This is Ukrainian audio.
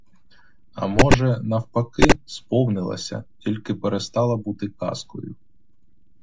А може, навпаки, сповнилася, тільки перестала бути казкою.